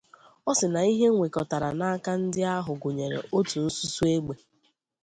Ọ sị na ihe e nwèkọtara n'aka ndị ahụ gụnyere: ótù nsụnsụ egbè